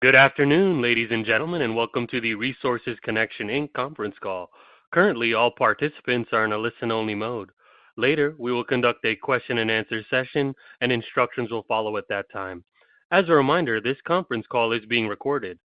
Good afternoon, ladies and gentlemen, and welcome to the Resources Connection conference call. Currently, all participants are in a listen-only mode. Later, we will conduct a question-and-answer session, and instructions will follow at that time. As a reminder, this conference call is being recorded.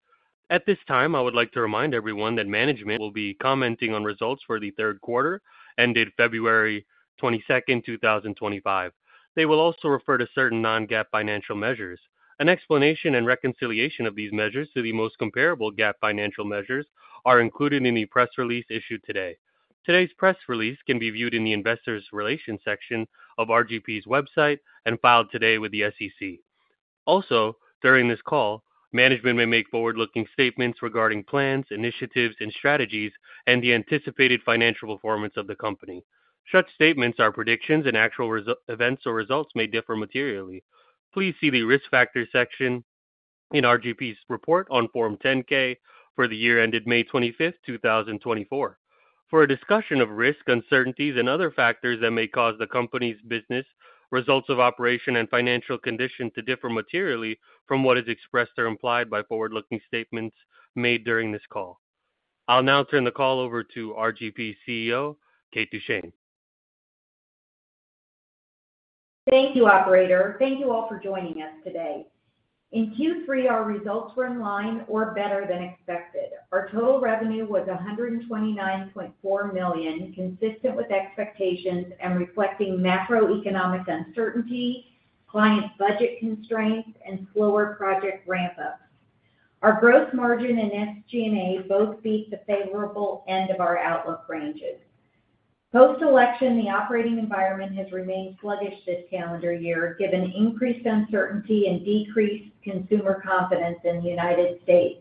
At this time, I would like to remind everyone that management will be commenting on results for the third quarter ended February 22nd, 2025. They will also refer to certain non-GAAP financial measures. An explanation and reconciliation of these measures to the most comparable GAAP financial measures are included in the press release issued today. Today's press release can be viewed in the Investor Relations section of RGP's website and filed today with the SEC. Also, during this call, management may make forward-looking statements regarding plans, initiatives, and strategies, and the anticipated financial performance of the company. Such statements are predictions, and actual events or results may differ materially. Please see the risk factors section in RGP's report on Form 10-K for the year ended May 25th, 2024, for a discussion of risk, uncertainties, and other factors that may cause the company's business, results of operation, and financial condition to differ materially from what is expressed or implied by forward-looking statements made during this call. I'll now turn the call over to RGP CEO, Kate Duchene. Thank you, Operator. Thank you all for joining us today. In Q3, our results were in line or better than expected. Our total revenue was $129.4 million, consistent with expectations and reflecting macroeconomic uncertainty, client budget constraints, and slower project ramp-ups. Our gross margin and SG&A both beat the favorable end of our outlook ranges. Post-election, the operating environment has remained sluggish this calendar year, given increased uncertainty and decreased consumer confidence in the United States.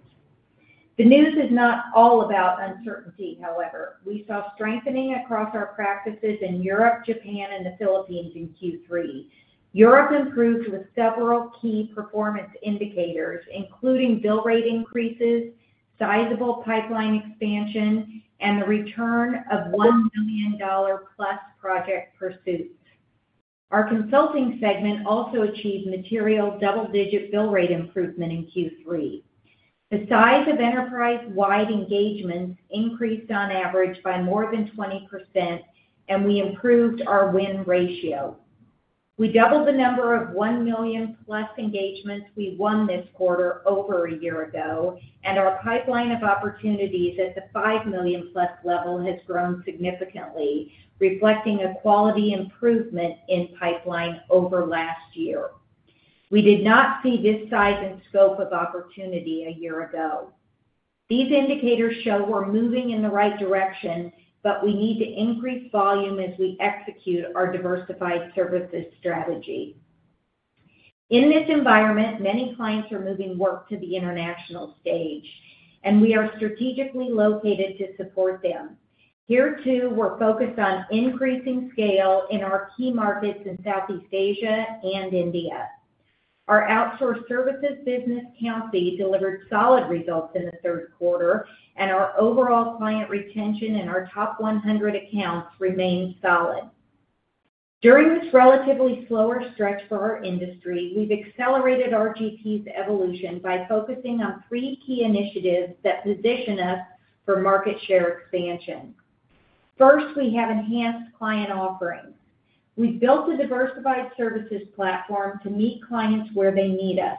The news is not all about uncertainty, however. We saw strengthening across our practices in Europe, Japan, and the Philippines in Q3. Europe improved with several key performance indicators, including bill rate increases, sizable pipeline expansion, and the return of $1 million-plus project pursuits. Our consulting segment also achieved material double-digit bill rate improvement in Q3. The size of enterprise-wide engagements increased on average by more than 20%, and we improved our win ratio. We doubled the number of $1 million-plus engagements we won this quarter over a year ago, and our pipeline of opportunities at the $5 million+ level has grown significantly, reflecting a quality improvement in pipeline over last year. We did not see this size and scope of opportunity a year ago. These indicators show we're moving in the right direction, but we need to increase volume as we execute our diversified services strategy. In this environment, many clients are moving work to the international stage, and we are strategically located to support them. Here, too, we're focused on increasing scale in our key markets in Southeast Asia and India. Our outsourced services business, Countsy, delivered solid results in the third quarter, and our overall client retention in our top 100 accounts remained solid. During this relatively slower stretch for our industry, we've accelerated RGP's evolution by focusing on three key initiatives that position us for market share expansion. First, we have enhanced client offerings. We've built a diversified services platform to meet clients where they need us.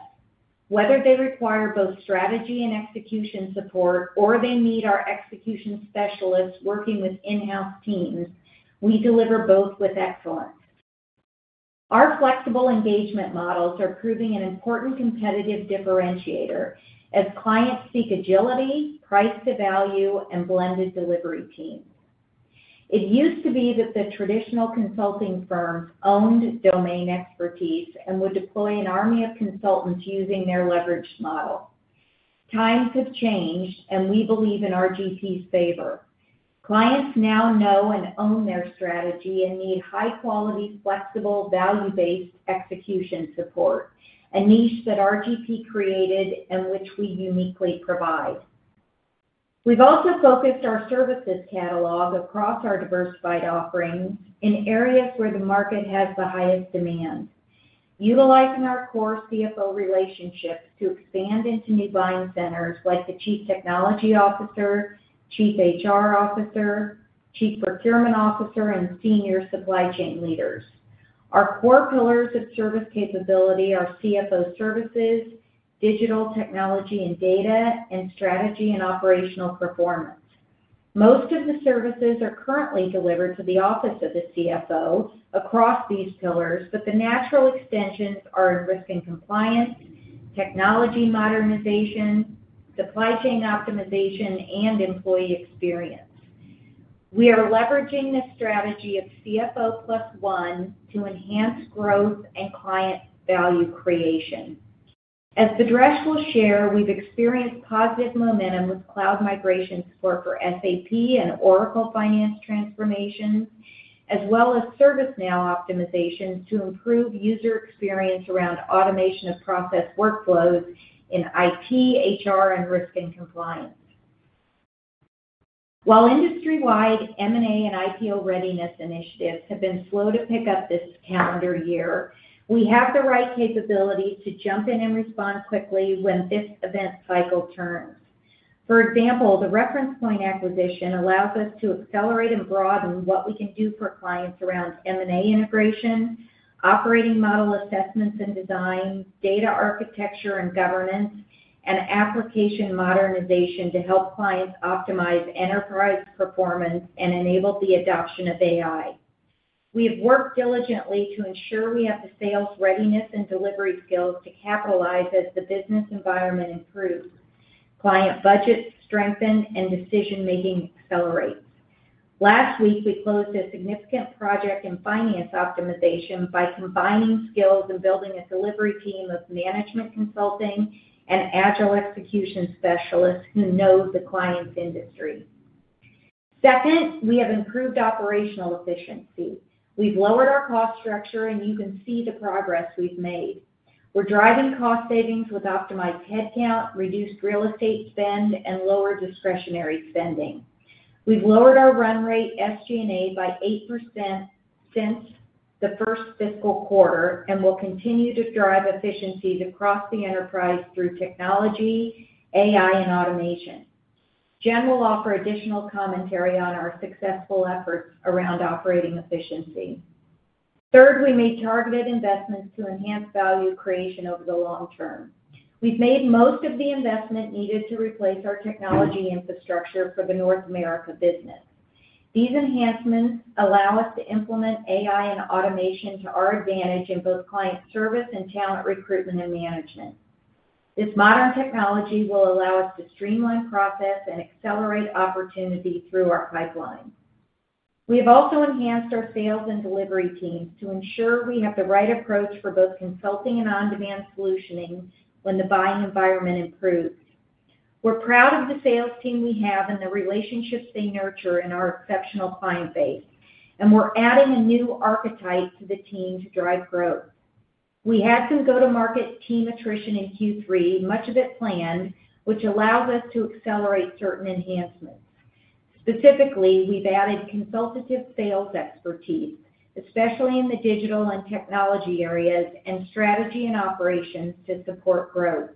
Whether they require both strategy and execution support, or they need our execution specialists working with in-house teams, we deliver both with excellence. Our flexible engagement models are proving an important competitive differentiator as clients seek agility, price-to-value, and blended delivery teams. It used to be that the traditional consulting firms owned domain expertise and would deploy an army of consultants using their leveraged model. Times have changed, and we believe in RGP's favor. Clients now know and own their strategy and need high-quality, flexible, value-based execution support, a niche that RGP created and which we uniquely provide. We've also focused our services catalog across our diversified offerings in areas where the market has the highest demand, utilizing our core CFO relationships to expand into new buying centers like the Chief Technology Officer, Chief HR Officer, Chief Procurement Officer, and senior supply chain leaders. Our core pillars of service capability are CFO services, digital technology and data, and strategy and operational performance. Most of the services are currently delivered to the office of the CFO across these pillars, but the natural extensions are in risk and compliance, technology modernization, supply chain optimization, and employee experience. We are leveraging the strategy of CFO plus one to enhance growth and client value creation. As Bhadresh will share, we've experienced positive momentum with cloud migration support for SAP and Oracle Finance transformations, as well as ServiceNow optimizations to improve user experience around automation of process workflows in IT, HR, and risk and compliance. While industry-wide, M&A and IPO readiness initiatives have been slow to pick up this calendar year, we have the right capabilities to jump in and respond quickly when this event cycle turns. For example, the Reference Point acquisition allows us to accelerate and broaden what we can do for clients around M&A integration, operating model assessments and design, data architecture and governance, and application modernization to help clients optimize enterprise performance and enable the adoption of AI. We have worked diligently to ensure we have the sales readiness and delivery skills to capitalize as the business environment improves, client budgets strengthen, and decision-making accelerates. Last week, we closed a significant project in finance optimization by combining skills and building a delivery team of management consulting and agile execution specialists who know the client's industry. Second, we have improved operational efficiency. We've lowered our cost structure, and you can see the progress we've made. We're driving cost savings with optimized headcount, reduced real estate spend, and lower discretionary spending. We've lowered our run rate SG&A by 8% since the first fiscal quarter and will continue to drive efficiencies across the enterprise through technology, AI, and automation. Jen will offer additional commentary on our successful efforts around operating efficiency. Third, we made targeted investments to enhance value creation over the long term. We've made most of the investment needed to replace our technology infrastructure for the North America business. These enhancements allow us to implement AI and automation to our advantage in both client service and talent recruitment and management. This modern technology will allow us to streamline process and accelerate opportunity through our pipeline. We have also enhanced our sales and delivery teams to ensure we have the right approach for both consulting and on-demand solutioning when the buying environment improves. We're proud of the sales team we have and the relationships they nurture and our exceptional client base, and we're adding a new archetype to the team to drive growth. We had some go-to-market team attrition in Q3, much of it planned, which allows us to accelerate certain enhancements. Specifically, we've added consultative sales expertise, especially in the digital and technology areas, and strategy and operations to support growth.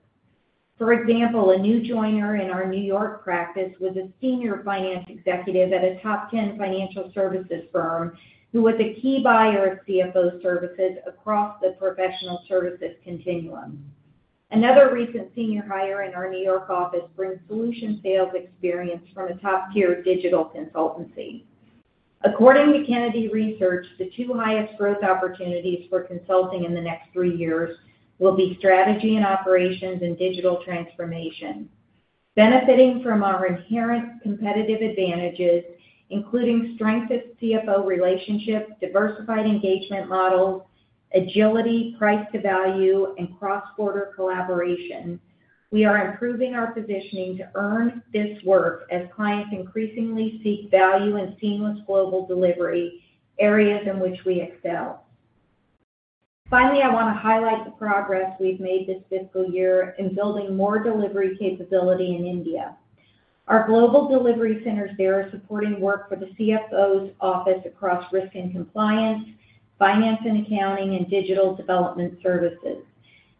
For example, a new joiner in our New York practice was a senior finance executive at a top-10 financial services firm who was a key buyer of CFO services across the professional services continuum. Another recent senior hire in our New York office brings solution sales experience from a top-tier digital consultancy. According to Kennedy Research, the two highest growth opportunities for consulting in the next three years will be strategy and operations and digital transformation. Benefiting from our inherent competitive advantages, including strength of CFO relationships, diversified engagement models, agility, price-to-value, and cross-border collaboration, we are improving our positioning to earn this work as clients increasingly seek value and seamless global delivery areas in which we excel. Finally, I want to highlight the progress we've made this fiscal year in building more delivery capability in India. Our global delivery centers there are supporting work for the CFO's office across risk and compliance, finance and accounting, and digital development services.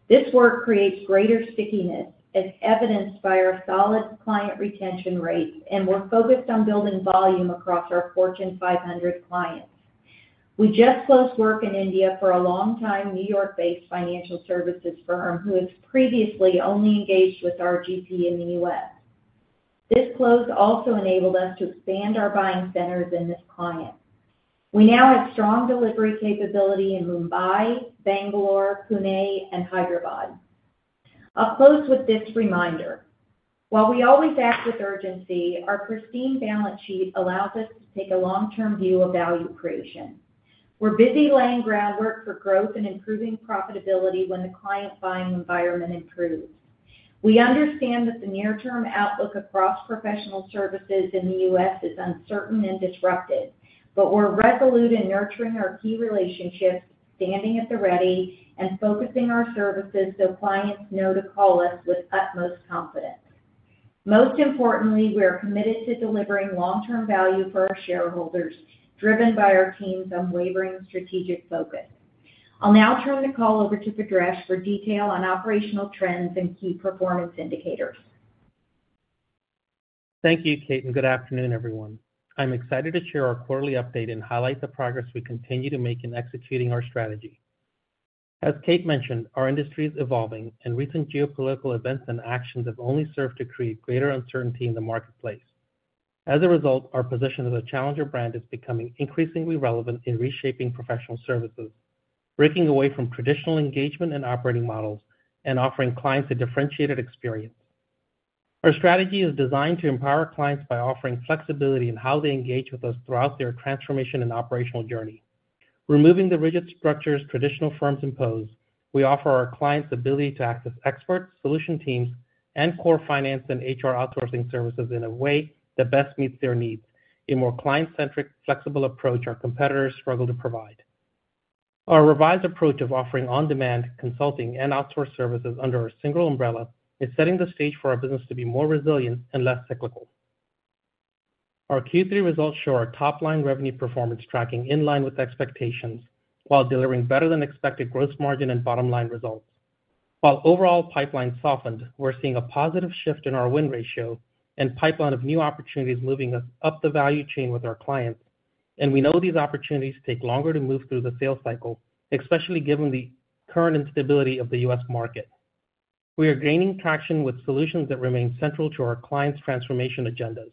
This work creates greater stickiness, as evidenced by our solid client retention rates, and we're focused on building volume across our Fortune 500 clients. We just closed work in India for a long-time New York-based financial services firm who has previously only engaged with RGP in the U.S. This close also enabled us to expand our buying centers in this client. We now have strong delivery capability in Mumbai, Bangalore, Pune, and Hyderabad. I'll close with this reminder. While we always act with urgency, our pristine balance sheet allows us to take a long-term view of value creation. We're busy laying groundwork for growth and improving profitability when the client buying environment improves. We understand that the near-term outlook across professional services in the U.S. is uncertain and disrupted, but we're resolute in nurturing our key relationships, standing at the ready, and focusing our services so clients know to call us with utmost confidence. Most importantly, we are committed to delivering long-term value for our shareholders, driven by our team's unwavering strategic focus. I'll now turn the call over to Bhadresh for detail on operational trends and key performance indicators. Thank you, Kate, and good afternoon, everyone. I'm excited to share our quarterly update and highlight the progress we continue to make in executing our strategy. As Kate mentioned, our industry is evolving, and recent geopolitical events and actions have only served to create greater uncertainty in the marketplace. As a result, our position as a challenger brand is becoming increasingly relevant in reshaping professional services, breaking away from traditional engagement and operating models, and offering clients a differentiated experience. Our strategy is designed to empower clients by offering flexibility in how they engage with us throughout their transformation and operational journey. Removing the rigid structures traditional firms impose, we offer our clients the ability to access experts, solution teams, and core finance and HR outsourcing services in a way that best meets their needs in a more client-centric, flexible approach our competitors struggle to provide. Our revised approach of offering on-demand, consulting, and outsourced services under a single umbrella is setting the stage for our business to be more resilient and less cyclical. Our Q3 results show our top-line revenue performance tracking in line with expectations while delivering better-than-expected gross margin and bottom-line results. While overall pipeline softened, we're seeing a positive shift in our win ratio and pipeline of new opportunities moving us up the value chain with our clients, and we know these opportunities take longer to move through the sales cycle, especially given the current instability of the U.S. market. We are gaining traction with solutions that remain central to our clients' transformation agendas.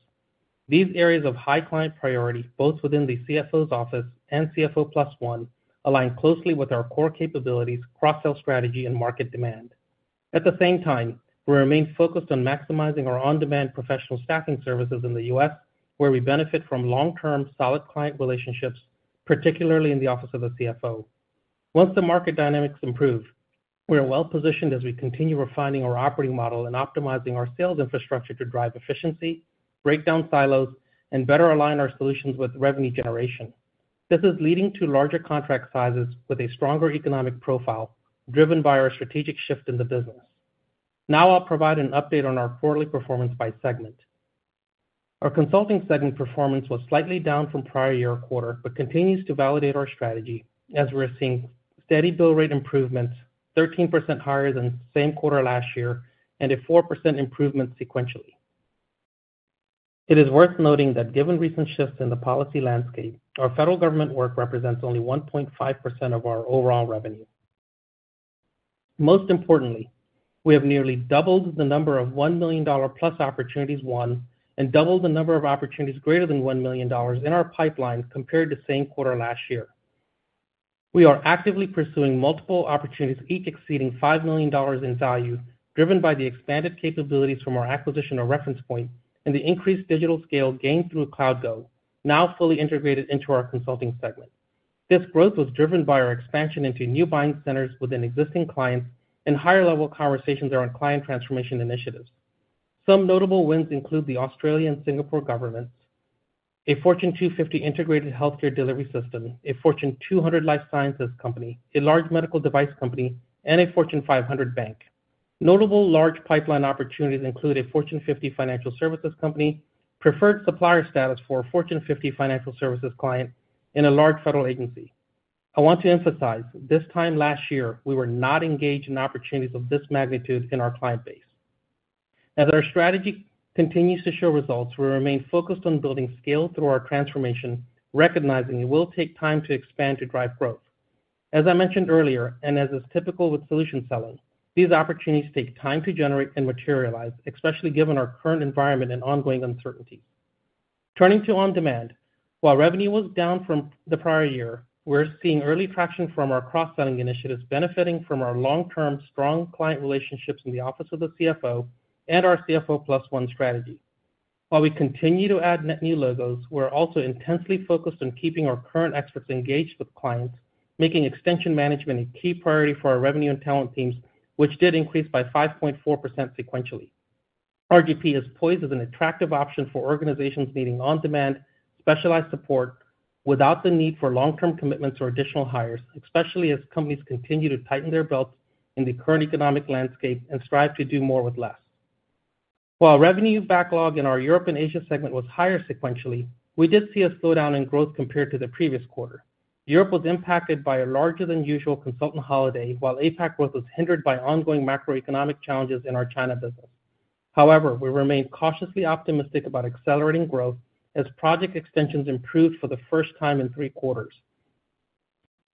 These areas of high client priority, both within the CFO's office and CFO plus one, align closely with our core capabilities, cross-sales strategy, and market demand. At the same time, we remain focused on maximizing our on-demand professional staffing services in the U.S., where we benefit from long-term solid client relationships, particularly in the office of the CFO. Once the market dynamics improve, we are well-positioned as we continue refining our operating model and optimizing our sales infrastructure to drive efficiency, break down silos, and better align our solutions with revenue generation. This is leading to larger contract sizes with a stronger economic profile driven by our strategic shift in the business. Now I'll provide an update on our quarterly performance by segment. Our consulting segment performance was slightly down from prior year quarter but continues to validate our strategy as we're seeing steady bill rate improvements, 13% higher than same quarter last year, and a 4% improvement sequentially. It is worth noting that given recent shifts in the policy landscape, our federal government work represents only 1.5% of our overall revenue. Most importantly, we have nearly doubled the number of $1 million-plus opportunities won and doubled the number of opportunities greater than $1 million in our pipeline compared to the same quarter last year. We are actively pursuing multiple opportunities, each exceeding $5 million in value, driven by the expanded capabilities from our acquisition of Reference Point and the increased digital scale gained through CloudGo, now fully integrated into our consulting segment. This growth was driven by our expansion into new buying centers within existing clients and higher-level conversations around client transformation initiatives. Some notable wins include the Australia and Singapore governments, a Fortune 250 integrated healthcare delivery system, a Fortune 200 life sciences company, a large medical device company, and a Fortune 500 bank. Notable large pipeline opportunities include a Fortune 50 financial services company, preferred supplier status for a Fortune 50 financial services client, and a large federal agency. I want to emphasize this time last year, we were not engaged in opportunities of this magnitude in our client base. As our strategy continues to show results, we remain focused on building skill through our transformation, recognizing it will take time to expand to drive growth. As I mentioned earlier, and as is typical with solution selling, these opportunities take time to generate and materialize, especially given our current environment and ongoing uncertainties. Turning to on-demand, while revenue was down from the prior year, we're seeing early traction from our cross-selling initiatives benefiting from our long-term strong client relationships in the office of the CFO and our CFO +1 strategy. While we continue to add new logos, we're also intensely focused on keeping our current experts engaged with clients, making extension management a key priority for our revenue and talent teams, which did increase by 5.4% sequentially. RGP is poised as an attractive option for organizations needing on-demand, specialized support without the need for long-term commitments or additional hires, especially as companies continue to tighten their belts in the current economic landscape and strive to do more with less. While revenue backlog in our Europe and Asia segment was higher sequentially, we did see a slowdown in growth compared to the previous quarter. Europe was impacted by a larger-than-usual consultant holiday, while APAC growth was hindered by ongoing macroeconomic challenges in our China business. However, we remain cautiously optimistic about accelerating growth as project extensions improved for the first time in three quarters.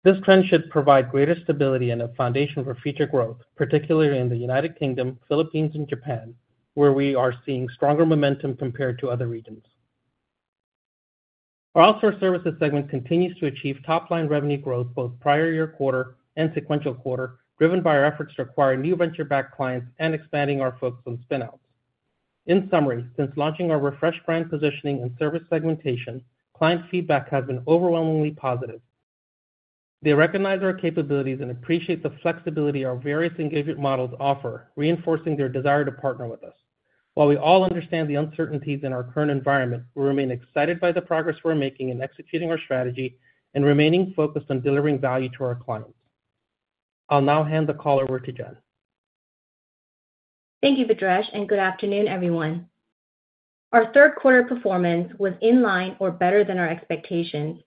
This trend should provide greater stability and a foundation for future growth, particularly in the United Kingdom, Philippines, and Japan, where we are seeing stronger momentum compared to other regions. Our outsourced services segment continues to achieve top-line revenue growth both prior year quarter and sequential quarter, driven by our efforts to acquire new venture-backed clients and expanding our focus on spinouts. In summary, since launching our refreshed brand positioning and service segmentation, client feedback has been overwhelmingly positive. They recognize our capabilities and appreciate the flexibility our various engagement models offer, reinforcing their desire to partner with us. While we all understand the uncertainties in our current environment, we remain excited by the progress we're making in executing our strategy and remaining focused on delivering value to our clients. I'll now hand the call over to Jen. Thank you, Bhadresh, and good afternoon, everyone. Our third-quarter performance was in line or better than our expectations.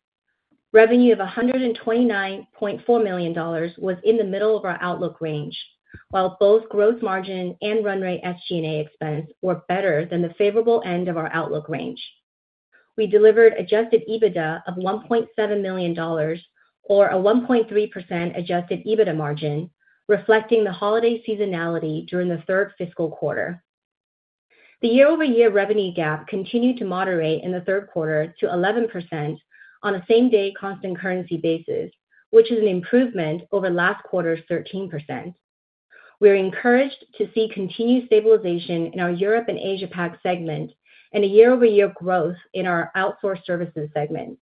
Revenue of $129.4 million was in the middle of our outlook range, while both gross margin and run rate SG&A expense were better than the favorable end of our outlook range. We delivered Adjusted EBITDA of $1.7 million, or a 1.3% Adjusted EBITDA margin, reflecting the holiday seasonality during the third fiscal quarter. The year-over-year revenue gap continued to moderate in the third quarter to 11% on a same-day constant currency basis, which is an improvement over last quarter's 13%. We are encouraged to see continued stabilization in our Europe and Asia Pac segment and a year-over-year growth in our outsourced services segment.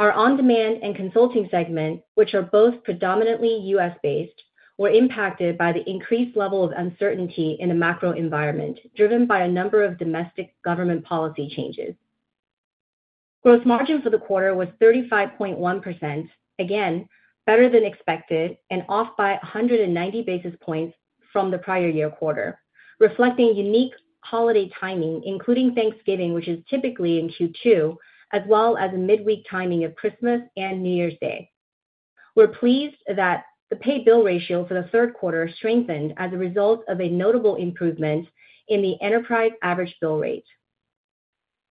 Our on-demand and consulting segment, which are both predominantly U.S.-based, were impacted by the increased level of uncertainty in the macro environment, driven by a number of domestic government policy changes. Gross margin for the quarter was 35.1%, again better than expected and off by 190 basis points from the prior year quarter, reflecting unique holiday timing, including Thanksgiving, which is typically in Q2, as well as midweek timing of Christmas and New Year's Day. We're pleased that the pay-bill ratio for the third quarter strengthened as a result of a notable improvement in the enterprise average bill rate.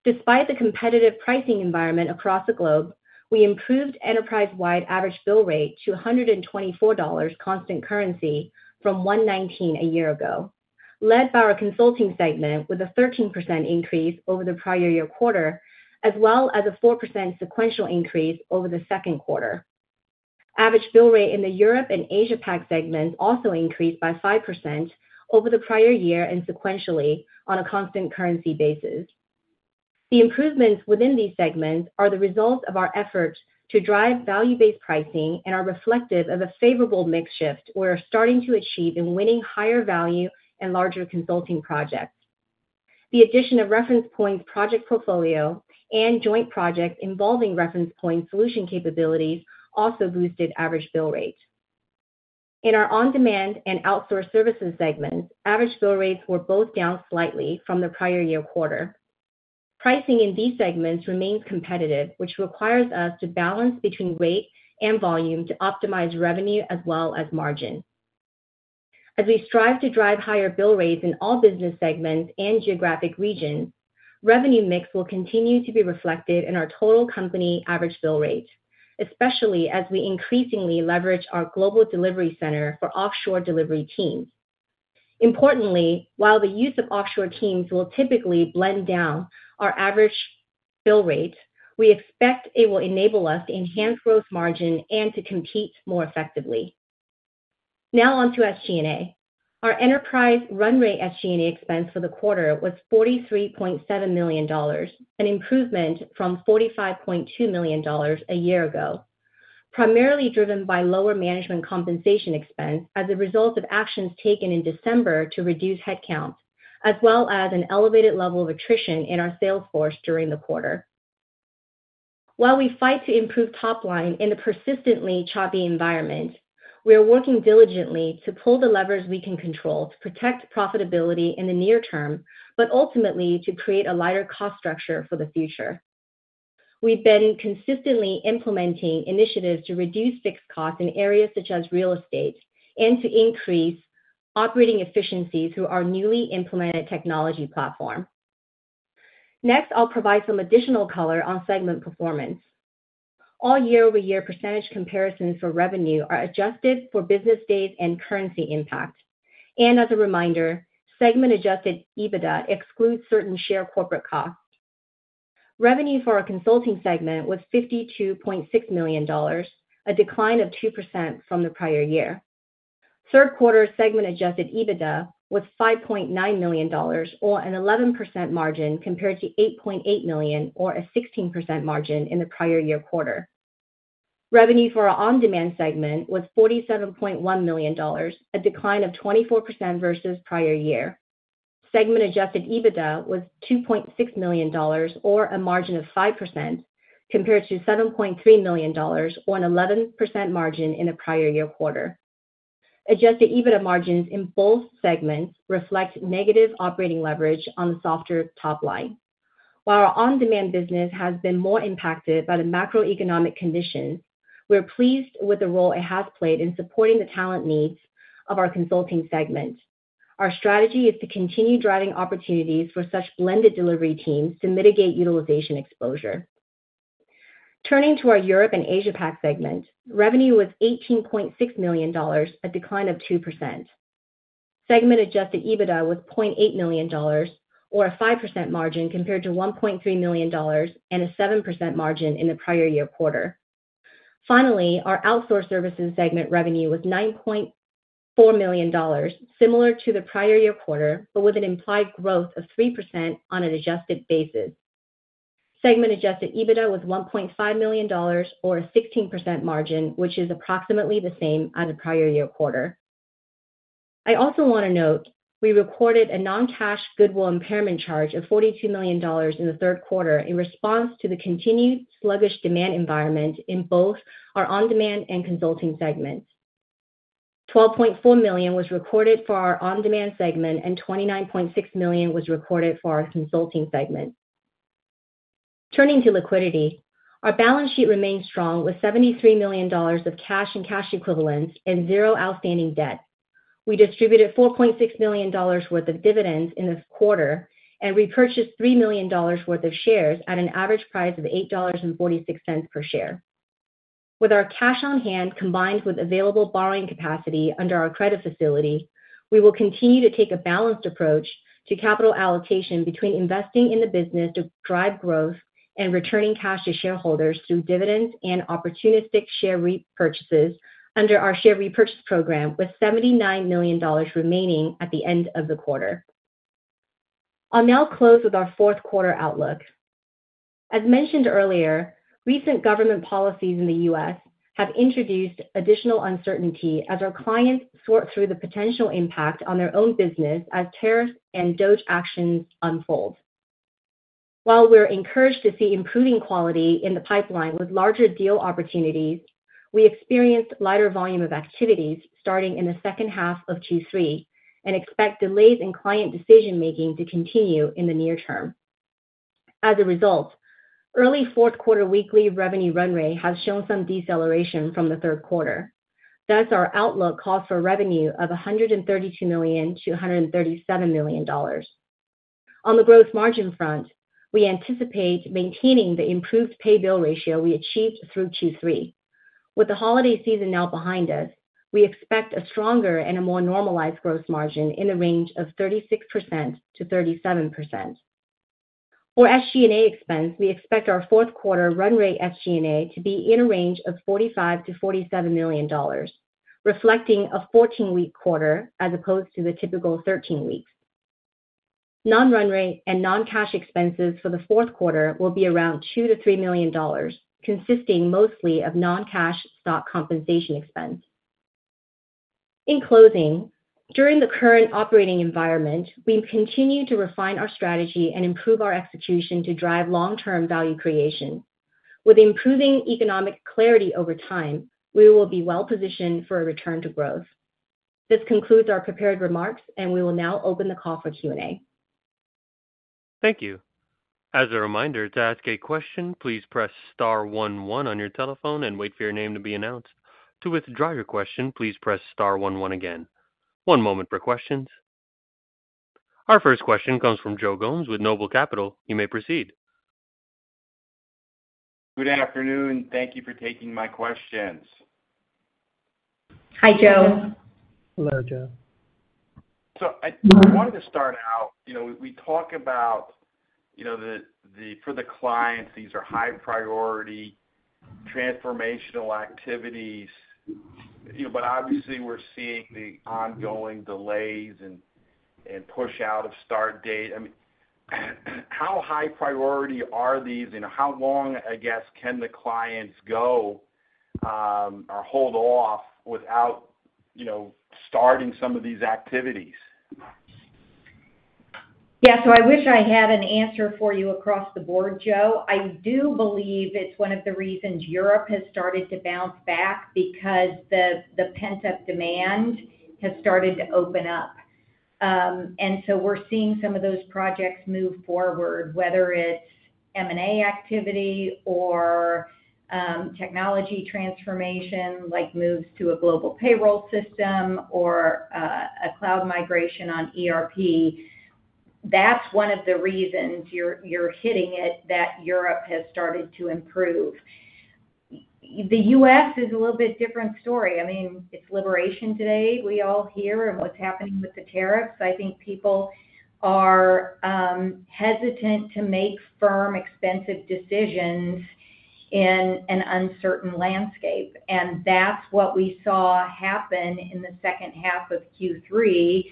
Despite the competitive pricing environment across the globe, we improved enterprise-wide average bill rate to $124 constant currency from $119 a year ago, led by our consulting segment with a 13% increase over the prior year quarter, as well as a 4% sequential increase over the second quarter. Average bill rate in the Europe and Asia Pac segments also increased by 5% over the prior year and sequentially on a constant currency basis. The improvements within these segments are the result of our efforts to drive value-based pricing and are reflective of a favorable mix shift we are starting to achieve in winning higher value and larger consulting projects. The addition of Reference Point's project portfolio and joint project involving Reference Point's solution capabilities also boosted average bill rate. In our on-demand and outsourced services segments, average bill rates were both down slightly from the prior year quarter. Pricing in these segments remains competitive, which requires us to balance between rate and volume to optimize revenue as well as margin. As we strive to drive higher bill rates in all business segments and geographic regions, revenue mix will continue to be reflected in our total company average bill rate, especially as we increasingly leverage our global delivery center for offshore delivery teams. Importantly, while the use of offshore teams will typically blend down our average bill rate, we expect it will enable us to enhance gross margin and to compete more effectively. Now on to SG&A. Our enterprise run rate SG&A expense for the quarter was $43.7 million, an improvement from $45.2 million a year ago, primarily driven by lower management compensation expense as a result of actions taken in December to reduce headcount, as well as an elevated level of attrition in our sales force during the quarter. While we fight to improve top line in the persistently choppy environment, we are working diligently to pull the levers we can control to protect profitability in the near term, but ultimately to create a lighter cost structure for the future. We've been consistently implementing initiatives to reduce fixed costs in areas such as real estate and to increase operating efficiencies through our newly implemented technology platform. Next, I'll provide some additional color on segment performance. All year-over-year percentage comparisons for revenue are adjusted for business days and currency impact. As a reminder, segment-Adjusted EBITDA excludes certain share corporate costs. Revenue for our consulting segment was $52.6 million, a decline of 2% from the prior year. Third quarter segment-Adjusted EBITDA was $5.9 million, or an 11% margin compared to $8.8 million, or a 16% margin in the prior year quarter. Revenue for our on-demand segment was $47.1 million, a decline of 24% versus prior year. Segment-Adjusted EBITDA was $2.6 million, or a margin of 5% compared to $7.3 million, or an 11% margin in the prior year quarter. Adjusted EBITDA margins in both segments reflect negative operating leverage on the softer top line. While our on-demand business has been more impacted by the macroeconomic conditions, we're pleased with the role it has played in supporting the talent needs of our consulting segment. Our strategy is to continue driving opportunities for such blended delivery teams to mitigate utilization exposure. Turning to our Europe and Asia Pac segment, revenue was $18.6 million, a decline of 2%. Segment-Adjusted EBITDA was $0.8 million, or a 5% margin compared to $1.3 million and a 7% margin in the prior year quarter. Finally, our outsource services segment revenue was $9.4 million, similar to the prior year quarter, but with an implied growth of 3% on an adjusted basis. Segment-Adjusted EBITDA was $1.5 million, or a 16% margin, which is approximately the same as the prior year quarter. I also want to note we recorded a non-cash goodwill impairment charge of $42 million in the third quarter in response to the continued sluggish demand environment in both our on-demand and consulting segments. $12.4 million was recorded for our on-demand segment, and $29.6 million was recorded for our consulting segment. Turning to liquidity, our balance sheet remained strong with $73 million of cash and cash equivalents and zero outstanding debt. We distributed $4.6 million worth of dividends in the quarter and repurchased $3 million worth of shares at an average price of $8.46 per share. With our cash on hand combined with available borrowing capacity under our credit facility, we will continue to take a balanced approach to capital allocation between investing in the business to drive growth and returning cash to shareholders through dividends and opportunistic share repurchases under our share repurchase program, with $79 million remaining at the end of the quarter. I'll now close with our fourth quarter outlook. As mentioned earlier, recent government policies in the U.S. have introduced additional uncertainty as our clients sort through the potential impact on their own business as tariffs and DOJ actions unfold. While we're encouraged to see improving quality in the pipeline with larger deal opportunities, we experienced lighter volume of activities starting in the second half of Q3 and expect delays in client decision-making to continue in the near term. As a result, early fourth quarter weekly revenue run rate has shown some deceleration from the third quarter. Thus, our outlook calls for revenue of $132 million-$137 million. On the gross margin front, we anticipate maintaining the improved pay-bill ratio we achieved through Q3. With the holiday season now behind us, we expect a stronger and a more normalized gross margin in the range of 36%-37%. For SG&A expense, we expect our fourth quarter run rate SG&A to be in a range of $45 million-$47 million, reflecting a 14-week quarter as opposed to the typical 13 weeks. Non-run rate and non-cash expenses for the fourth quarter will be around $2 million-$3 million, consisting mostly of non-cash stock compensation expense. In closing, during the current operating environment, we continue to refine our strategy and improve our execution to drive long-term value creation. With improving economic clarity over time, we will be well-positioned for a return to growth. This concludes our prepared remarks, and we will now open the call for Q&A. Thank you. As a reminder, to ask a question, please press star one one on your telephone and wait for your name to be announced. To withdraw your question, please press star one one again. One moment for questions. Our first question comes from Joe Gomes with Noble Capital. You may proceed. Good afternoon. Thank you for taking my questions. Hi, Joe. Hello, Joe. I wanted to start out, we talk about for the clients, these are high-priority transformational activities, but obviously, we're seeing the ongoing delays and push-out of start date. I mean, how high priority are these? How long, I guess, can the clients go or hold off without starting some of these activities? Yeah. I wish I had an answer for you across the board, Joe. I do believe it's one of the reasons Europe has started to bounce back because the pent-up demand has started to open up. We're seeing some of those projects move forward, whether it's M&A activity or technology transformation, like moves to a global payroll system or a cloud migration on ERP. That's one of the reasons you're hitting it that Europe has started to improve. The U.S. is a little bit different story. I mean, it's liberation today, we all hear, and what's happening with the tariffs. I think people are hesitant to make firm, expensive decisions in an uncertain landscape. That's what we saw happen in the second half of Q3,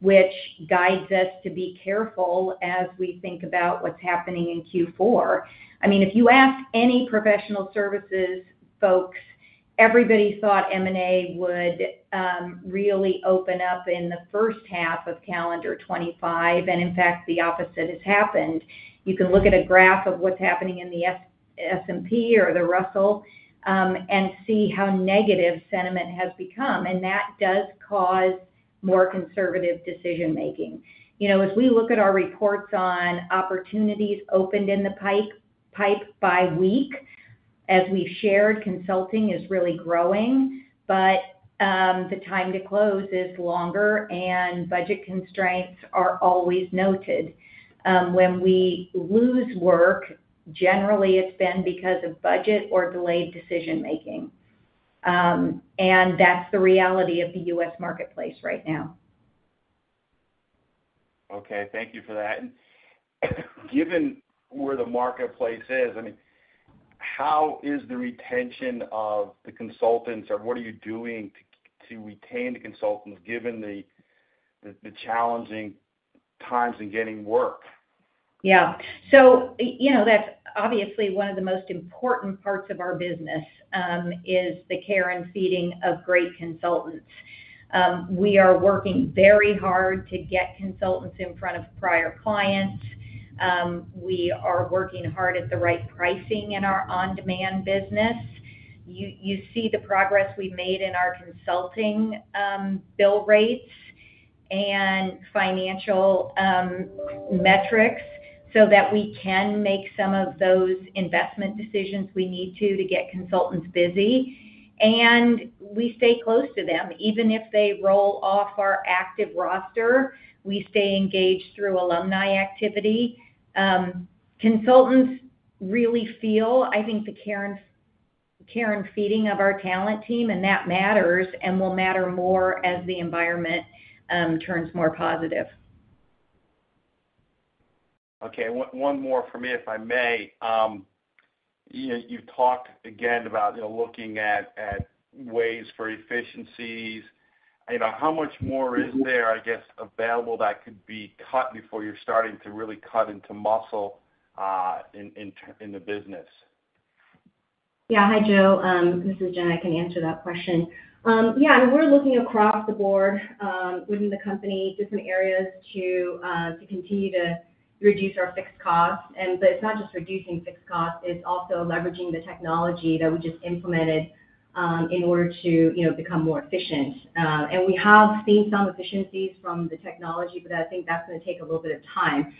which guides us to be careful as we think about what's happening in Q4. I mean, if you ask any professional services folks, everybody thought M&A would really open up in the first half of calendar 2025. In fact, the opposite has happened. You can look at a graph of what is happening in the S&P or the Russell and see how negative sentiment has become. That does cause more conservative decision-making. As we look at our reports on opportunities opened in the pipe by week, as we have shared, consulting is really growing, but the time to close is longer, and budget constraints are always noted. When we lose work, generally, it has been because of budget or delayed decision-making. That is the reality of the U.S. marketplace right now. Okay. Thank you for that. Given where the marketplace is, I mean, how is the retention of the consultants, or what are you doing to retain the consultants given the challenging times in getting work? Yeah. That's obviously one of the most important parts of our business is the care and feeding of great consultants. We are working very hard to get consultants in front of prior clients. We are working hard at the right pricing in our on-demand business. You see the progress we've made in our consulting bill rates and financial metrics so that we can make some of those investment decisions we need to to get consultants busy. We stay close to them. Even if they roll off our active roster, we stay engaged through alumni activity. Consultants really feel, I think, the care and feeding of our talent team, and that matters and will matter more as the environment turns more positive. Okay. One more for me, if I may. You've talked again about looking at ways for efficiencies. How much more is there, I guess, available that could be cut before you're starting to really cut into muscle in the business? Yeah. Hi, Joe. This is Jen. I can answer that question. Yeah. We're looking across the board within the company, different areas to continue to reduce our fixed costs. It is not just reducing fixed costs. It is also leveraging the technology that we just implemented in order to become more efficient. We have seen some efficiencies from the technology, but I think that is going to take a little bit of time.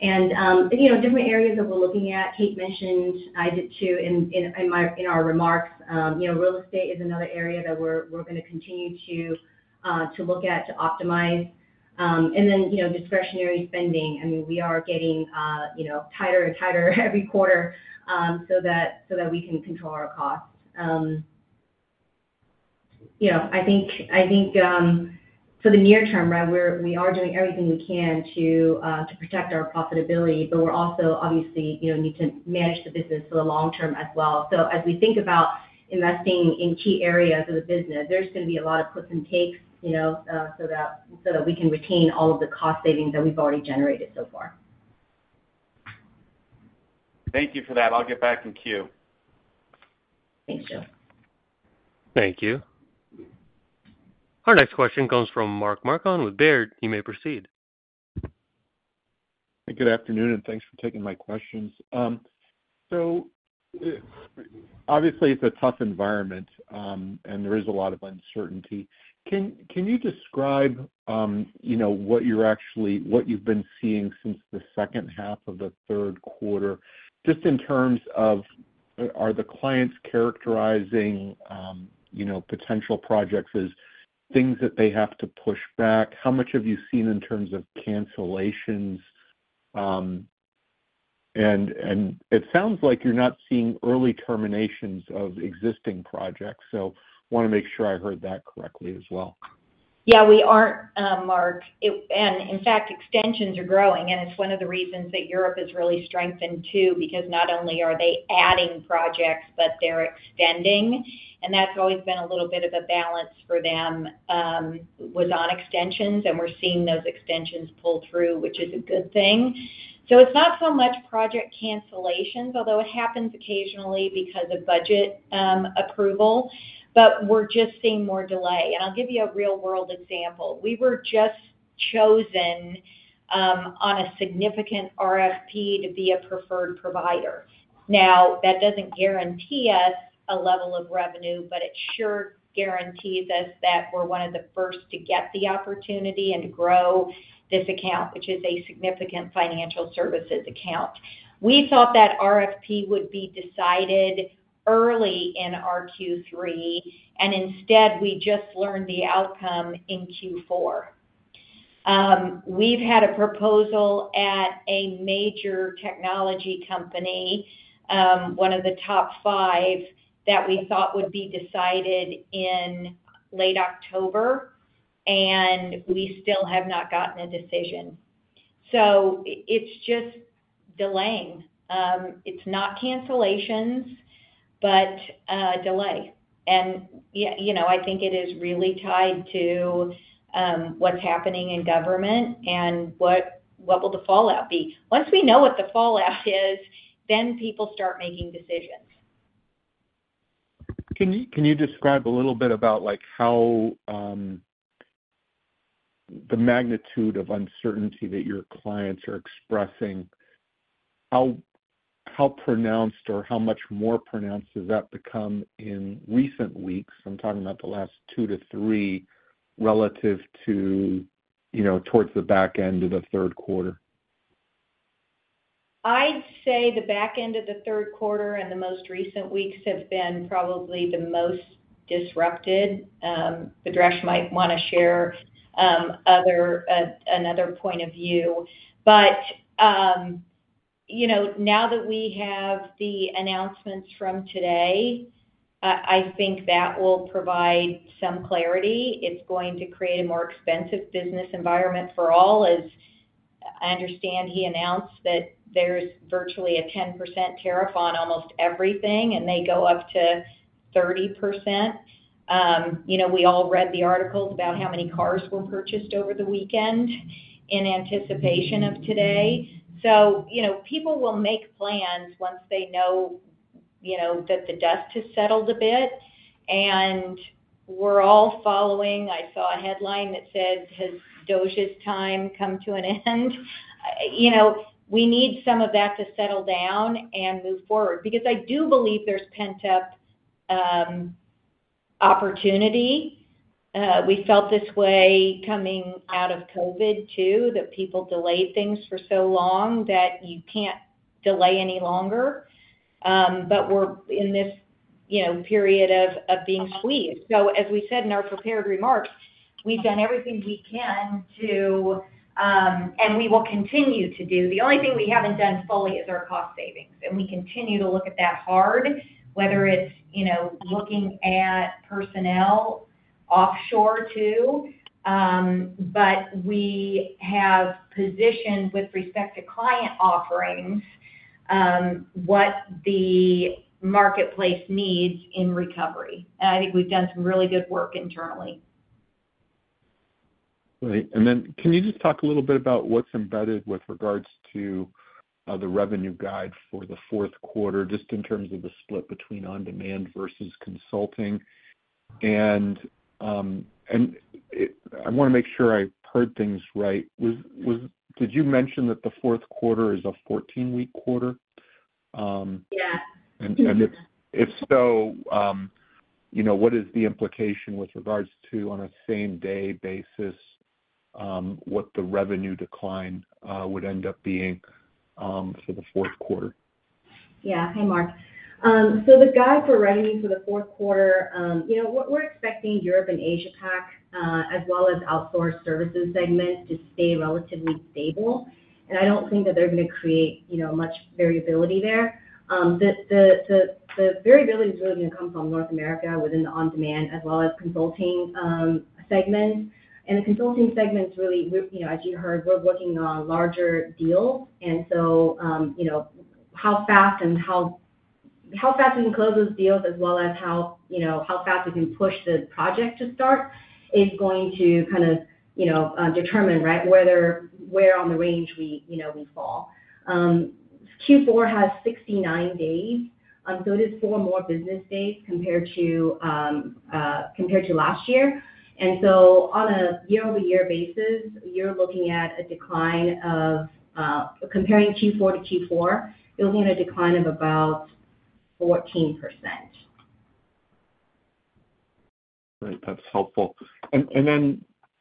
Different areas that we are looking at, Kate mentioned, I did too in our remarks, real estate is another area that we are going to continue to look at to optimize. Then discretionary spending. I mean, we are getting tighter and tighter every quarter so that we can control our costs. I think for the near term, right, we are doing everything we can to protect our profitability, but we also obviously need to manage the business for the long term as well. As we think about investing in key areas of the business, there is going to be a lot of puts and takes so that we can retain all of the cost savings that we have already generated so far. Thank you for that. I'll get back in queue. Thanks, Joe. Thank you. Our next question comes from Mark Marcon with Baird. You may proceed. Good afternoon, and thanks for taking my questions. Obviously, it's a tough environment, and there is a lot of uncertainty. Can you describe what you've been seeing since the second half of the third quarter just in terms of are the clients characterizing potential projects as things that they have to push back? How much have you seen in terms of cancellations? It sounds like you're not seeing early terminations of existing projects. I want to make sure I heard that correctly as well. Yeah. We aren't, Mark. In fact, extensions are growing. It is one of the reasons that Europe has really strengthened too because not only are they adding projects, but they are extending. That has always been a little bit of a balance for them was on extensions, and we are seeing those extensions pull through, which is a good thing. It is not so much project cancellations, although it happens occasionally because of budget approval, but we are just seeing more delay. I will give you a real-world example. We were just chosen on a significant RFP to be a preferred provider. Now, that does not guarantee us a level of revenue, but it sure guarantees us that we are one of the first to get the opportunity and grow this account, which is a significant financial services account. We thought that RFP would be decided early in our Q3, and instead, we just learned the outcome in Q4. We've had a proposal at a major technology company, one of the top five, that we thought would be decided in late October, and we still have not gotten a decision. It is just delaying. It is not cancellations, but delay. I think it is really tied to what is happening in government and what will the fallout be. Once we know what the fallout is, then people start making decisions. Can you describe a little bit about how the magnitude of uncertainty that your clients are expressing, how pronounced or how much more pronounced has that become in recent weeks? I'm talking about the last two to three relative to towards the back end of the third quarter. I'd say the back end of the third quarter and the most recent weeks have been probably the most disrupted. Bhadresh might want to share another point of view. Now that we have the announcements from today, I think that will provide some clarity. It's going to create a more expensive business environment for all. As I understand, he announced that there's virtually a 10% tariff on almost everything, and they go up to 30%. We all read the articles about how many cars were purchased over the weekend in anticipation of today. People will make plans once they know that the dust has settled a bit. We're all following. I saw a headline that said, "Has DOJ's time come to an end?" We need some of that to settle down and move forward because I do believe there's pent-up opportunity. We felt this way coming out of COVID too, that people delayed things for so long that you can't delay any longer. We are in this period of being squeezed. As we said in our prepared remarks, we've done everything we can to, and we will continue to do. The only thing we haven't done fully is our cost savings. We continue to look at that hard, whether it's looking at personnel offshore too. We have positioned with respect to client offerings what the marketplace needs in recovery. I think we've done some really good work internally. Right. Can you just talk a little bit about what's embedded with regards to the revenue guide for the fourth quarter, just in terms of the split between on-demand versus consulting? I want to make sure I heard things right. Did you mention that the fourth quarter is a 14-week quarter? Yeah. If so, what is the implication with regards to, on a same-day basis, what the revenue decline would end up being for the fourth quarter? Yeah. Hi, Mark. So the guide for revenue for the fourth quarter, we're expecting Europe and Asia-Pac as well as outsourced services segments to stay relatively stable. I don't think that they're going to create much variability there. The variability is really going to come from North America within the on-demand as well as consulting segments. The consulting segments, really, as you heard, we're working on larger deals. How fast and how fast we can close those deals, as well as how fast we can push the project to start, is going to kind of determine, right, where on the range we fall. Q4 has 69 days. It is four more business days compared to last year. On a year-over-year basis, you're looking at a decline of comparing Q4-Q4, you'll see a decline of about 14%. Right. That's helpful.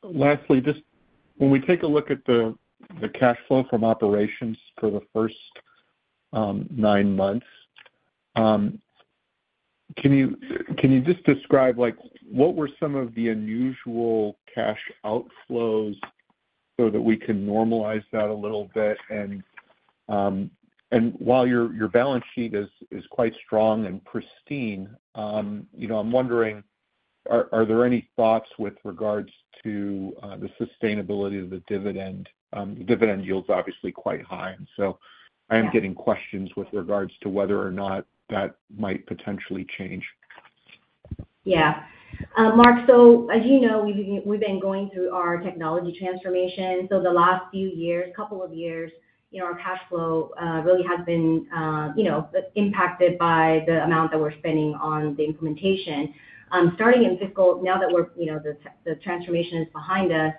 Lastly, just when we take a look at the cash flow from operations for the first nine months, can you just describe what were some of the unusual cash outflows so that we can normalize that a little bit? While your balance sheet is quite strong and pristine, I'm wondering, are there any thoughts with regards to the sustainability of the dividend? The dividend yield's obviously quite high. I am getting questions with regards to whether or not that might potentially change. Yeah. Mark, as you know, we've been going through our technology transformation. The last few years, couple of years, our cash flow really has been impacted by the amount that we're spending on the implementation. Starting in fiscal, now that the transformation is behind us,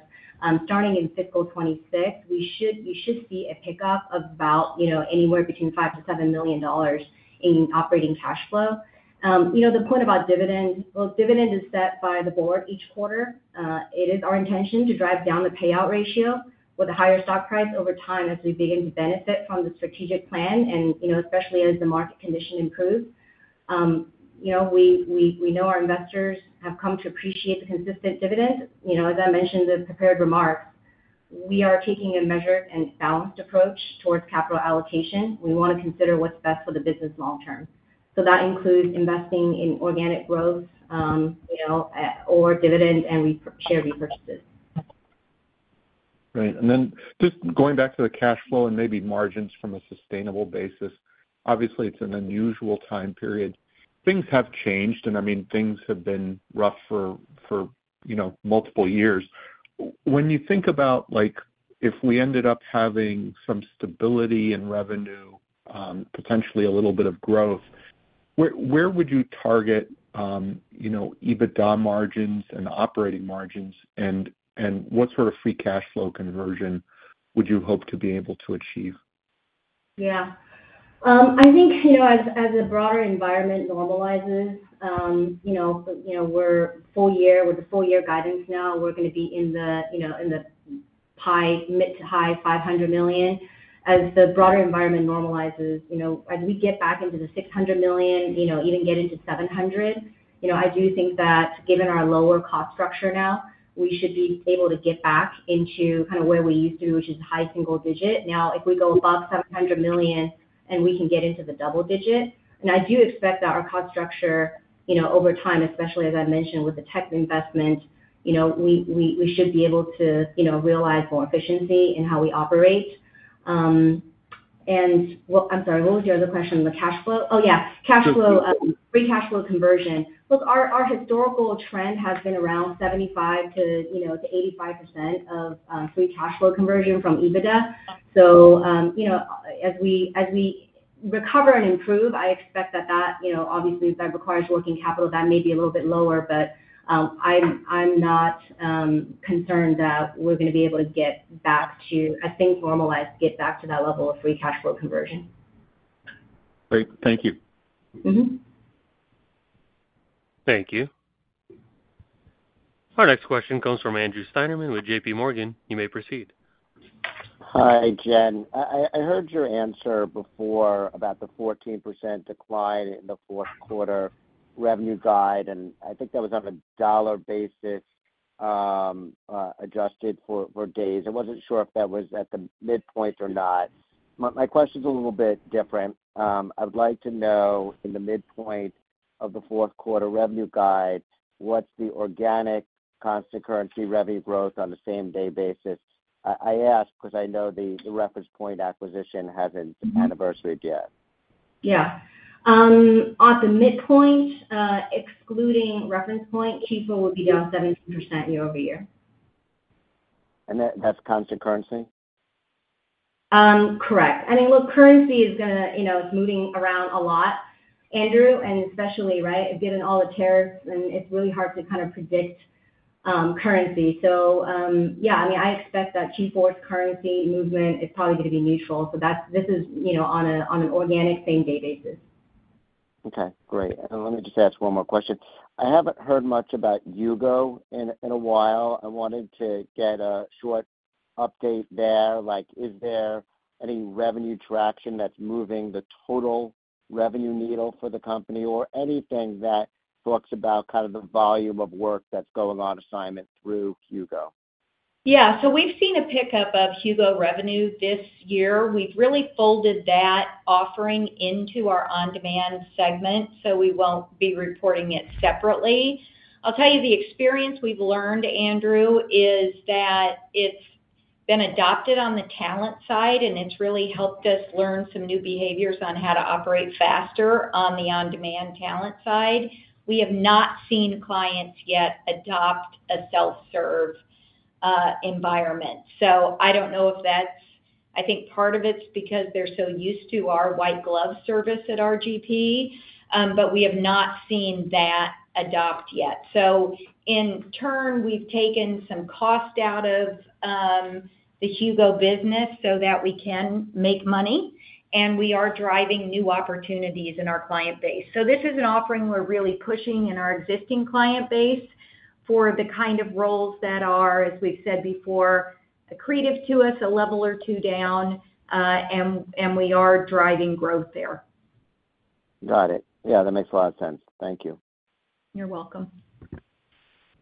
starting in fiscal 2026, we should see a pickup of about anywhere between $5 million-$7 million in operating cash flow. The point about dividend, dividend is set by the board each quarter. It is our intention to drive down the payout ratio with a higher stock price over time as we begin to benefit from the strategic plan, and especially as the market condition improves. We know our investors have come to appreciate the consistent dividend. As I mentioned in the prepared remarks, we are taking a measured and balanced approach towards capital allocation. We want to consider what's best for the business long term. That includes investing in organic growth or dividend and share repurchases. Right. Just going back to the cash flow and maybe margins from a sustainable basis, obviously, it's an unusual time period. Things have changed. I mean, things have been rough for multiple years. When you think about if we ended up having some stability in revenue, potentially a little bit of growth, where would you target EBITDA margins and operating margins? What sort of free cash flow conversion would you hope to be able to achieve? Yeah. I think as the broader environment normalizes, we're full year. With the full year guidance now, we're going to be in the mid to high $500 million. As the broader environment normalizes, as we get back into the $600 million, even get into $700 million, I do think that given our lower cost structure now, we should be able to get back into kind of where we used to be, which is high single digit. Now, if we go above $700 million and we can get into the double digit, and I do expect that our cost structure over time, especially as I mentioned with the tech investment, we should be able to realize more efficiency in how we operate. I'm sorry, what was your other question? The cash flow? Oh, yeah. Free cash flow conversion. Look, our historical trend has been around 75%-85% of free cash flow conversion from EBITDA. As we recover and improve, I expect that that obviously requires working capital. That may be a little bit lower, but I'm not concerned that we're going to be able to get back to, I think, normalized, get back to that level of free cash flow conversion. Great. Thank you. Thank you. Our next question comes from Andrew Steinerman with JPMorgan. You may proceed. Hi, Jen. I heard your answer before about the 14% decline in the fourth quarter revenue guide. I think that was on a dollar basis adjusted for days. I wasn't sure if that was at the midpoint or not. My question's a little bit different. I would like to know in the midpoint of the fourth quarter revenue guide, what's the organic constant currency revenue growth on a same-day basis? I ask because I know the Reference Point acquisition hasn't anniversaried yet. Yeah. At the midpoint, excluding Reference Point, Q4 would be down 17% year-over-year. Is that constant currency? Correct. I mean, look, currency is going to, it's moving around a lot, Andrew, and especially, right, given all the tariffs, and it's really hard to kind of predict currency. Yeah, I mean, I expect that Q4's currency movement is probably going to be neutral. This is on an organic same-day basis. Okay. Great. Let me just ask one more question. I haven't heard much about HUGO in a while. I wanted to get a short update there. Is there any revenue traction that's moving the total revenue needle for the company or anything that talks about kind of the volume of work that's going on assignment through HUGO? Yeah. We've seen a pickup of HUGO revenue this year. We've really folded that offering into our on-demand segment, so we won't be reporting it separately. I'll tell you the experience we've learned, Andrew, is that it's been adopted on the talent side, and it's really helped us learn some new behaviors on how to operate faster on the on-demand talent side. We have not seen clients yet adopt a self-serve environment. I think part of it's because they're so used to our white glove service at RGP, but we have not seen that adopt yet. In turn, we've taken some cost out of the HUGO business so that we can make money, and we are driving new opportunities in our client base. This is an offering we're really pushing in our existing client base for the kind of roles that are, as we've said before, accretive to us a level or two down, and we are driving growth there. Got it. Yeah. That makes a lot of sense. Thank you. You're welcome.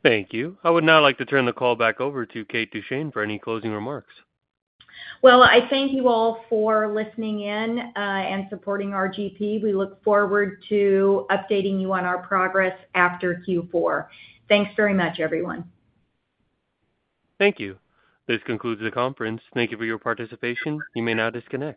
Thank you. I would now like to turn the call back over to Kate Duchene for any closing remarks. I thank you all for listening in and supporting RGP. We look forward to updating you on our progress after Q4. Thanks very much, everyone. Thank you. This concludes the conference. Thank you for your participation. You may now disconnect.